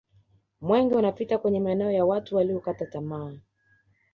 mwenge unapita kwenye maeneo ya watu waliyokata tama